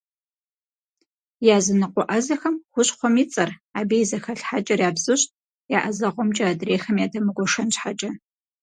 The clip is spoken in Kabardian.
Языныкъуэ ӏэзэхэм хущхъуэм и цӏэр, абы и зэхэлъхьэкӏэр ябзыщӏт, я ӏэзэгъуэмкӏэ адрейхэм ядэмыгуэшэн щхьэкӏэ.